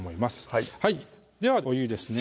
はいではお湯ですね